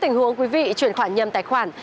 tình huống quý vị chuyển khoản nhầm tài khoản